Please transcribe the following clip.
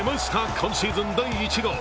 今シーズン第１号。